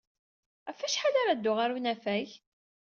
Ɣef wacḥal ara dduɣ ɣer unafag?